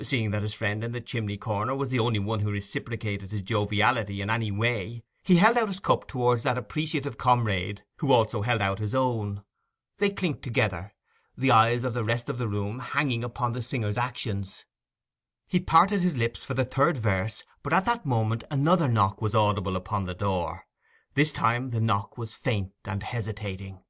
Seeing that his friend in the chimney corner was the only one who reciprocated his joviality in any way, he held out his cup towards that appreciative comrade, who also held out his own. They clinked together, the eyes of the rest of the room hanging upon the singer's actions. He parted his lips for the third verse; but at that moment another knock was audible upon the door. This time the knock was faint and hesitating.